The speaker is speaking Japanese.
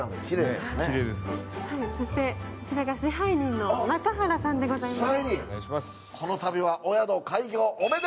こちらが支配人の中原さんでございます。